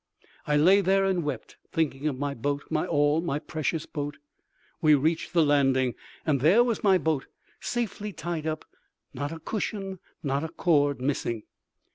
I lay there and wept, thinking of my boat, my all, my precious boat! We reached the landing—and there was my boat, safely tied up, not a cushion nor a cord missing.